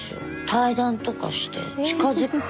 対談とかして近づくと。